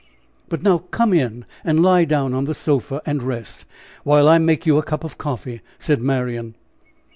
"But now come in and lie down on the sofa, and rest, while I make you a cup of coffee," said Marian.